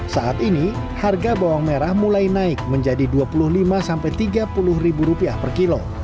saat ini harga bawang merah mulai naik menjadi dua puluh lima sampai tiga puluh ribu rupiah per kilo